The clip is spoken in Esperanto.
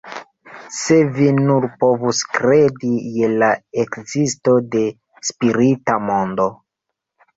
Se vi nur povus kredi je la ekzisto de spirita mondo!